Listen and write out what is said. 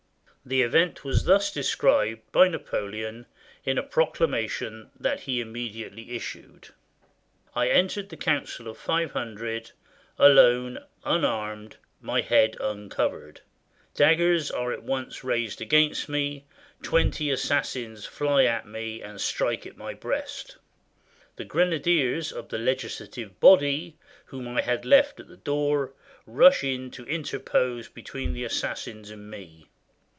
The event was thus described by Napoleon in a proc lamation that he immediately issued: —" I entered the Council of Five Hundred, alone, unarmed, my head uncovered. Daggers are at once raised against me; twenty assassins fly at me and strike at my breast. The grenadiers of the legislative body, whom I had left at the door, rush in to interpose between the assassins and me.